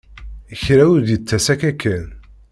Kra ur d-yettas akka kan.